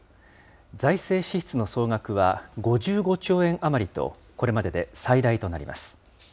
財政支出の総額は５５兆円余りと、これまでで最大となります。